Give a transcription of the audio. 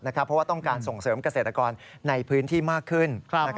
เพราะว่าต้องการส่งเสริมเกษตรกรในพื้นที่มากขึ้น